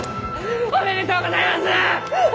おめでとうございます！